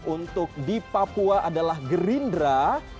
untuk di papua adalah gerindra